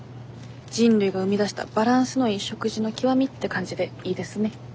人類が生み出したバランスのいい食事の極みって感じでいいですね。